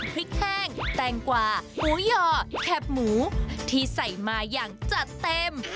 พริกแห้งแตงกว่าหมูยอแคบหมูที่ใส่มาอย่างจัดเต็ม